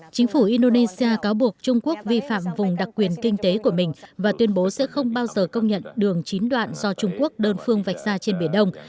chính phủ indonesia cáo buộc trung quốc vi phạm vùng đặc quyền kinh tế của mình và tuyên bố sẽ không bao giờ công nhận đường chín đoạn do trung quốc đơn phương vạch ra trên biển đông